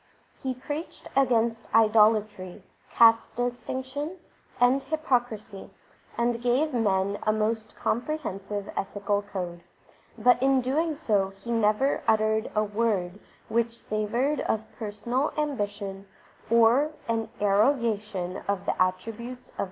He preached against idolatry, caste distinction, and hypocrisy, and gave men a most comprehensive ethical code ; but in so doing he never uttered a word which savoured of personal ambition or an arrogation of the attribuies_.oi